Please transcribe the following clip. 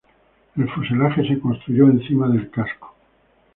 El fuselaje se construyó encima del casco.